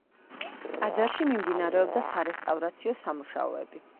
ტაძარში მიმდინარეობდა სარესტავრაციო სამუშაოები.